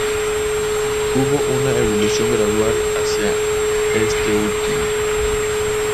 Hubo una evolución gradual hacia este último.